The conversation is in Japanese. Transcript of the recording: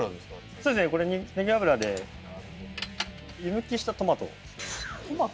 そうですねこれネギ油で湯むきしたトマトトマト？